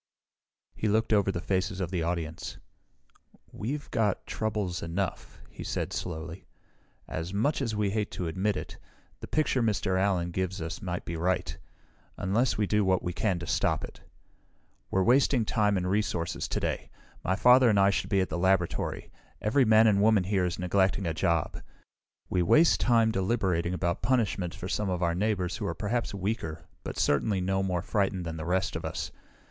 He looked over the faces of the audience. "We've got troubles enough," he said slowly. "As much as we hate to admit it, the picture Mr. Allen gives us may be right unless we do what we can to stop it. "We're wasting time and resources today. My father and I should be at the laboratory. Every man and woman here is neglecting a job. We waste time, deliberating about punishment for some of our neighbors who are perhaps weaker, but certainly no more frightened than the rest of us.